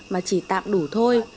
mà chỉ tạm đủ thôi